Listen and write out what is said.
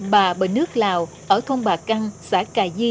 bà bờ nước lào ở thôn bà căng xã cài di